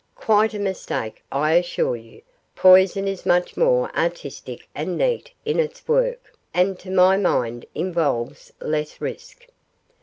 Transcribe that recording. Quite a mistake, I assure you; poison is much more artistic and neat in its work, and to my mind involves less risk.